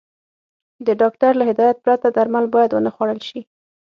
د ډاکټر له هدايت پرته درمل بايد ونخوړل شي.